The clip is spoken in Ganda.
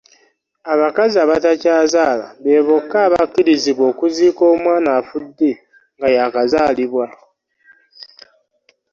Abakazi abatakyazaala be bokka abakkirizibwa okuziika omwana afudde nga yaakazaalibwa.